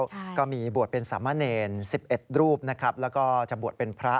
ก็มีบวชเป็นสามะเนร๑๑รูปนะครับแล้วก็จะบวชเป็นพระ